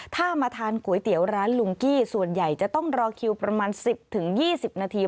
ถ้ามาทานก๋วยเตี๋ยวร้านลุงกี้ส่วนใหญ่จะต้องรอคิวประมาณ๑๐๒๐นาที